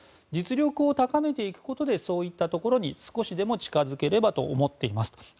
実力を高めていくことでそういったところに少しでも近づければと思っていますと。